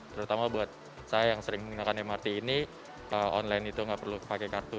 terutama buat saya yang sering menggunakan mrt ini online itu nggak perlu pakai kartu